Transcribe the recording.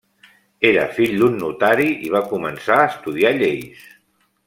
Era fill d'un notari i va començar a estudiar lleis.